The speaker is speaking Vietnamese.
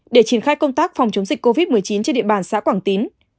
để triển khai công tác phòng chống dịch covid một mươi chín trên địa bàn xã quảng tín